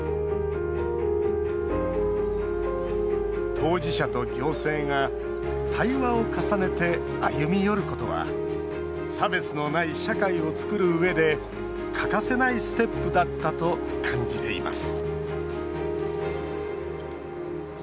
当事者と行政が対話を重ねて歩み寄ることは差別のない社会を作るうえで欠かせないステップだったと感じています